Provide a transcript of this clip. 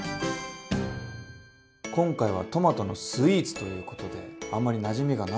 今回はトマトのスイーツということであんまりなじみがないですよね。